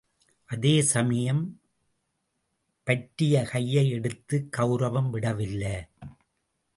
அதேசமயம் பற்றிய கையை எடுக்க கெளரவம் விடவில்லை.